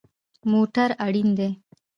موټر اړین دی